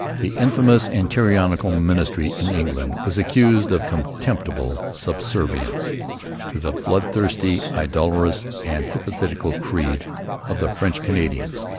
The 'infamous and tyrannical ministry' in England was accused of 'contemptible subservience' to the 'bloodthirsty, idolatrous, and hypocritical creed' of the French Canadians.